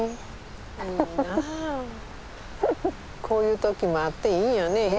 こういう時もあっていいよね。